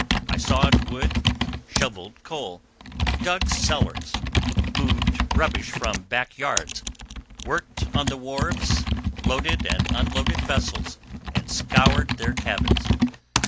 I sawed wood, shoveled coal, dug cellars, moved rubbish from back yards, worked on the wharves, loaded and unloaded vessels, and scoured their cabins.